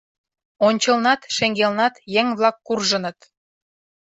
Ончылнат, шеҥгелнат еҥ-влак куржыныт.